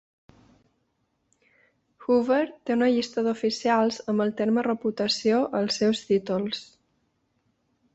Hoover té una llista d'oficials amb el terme "reputació" als seus títols.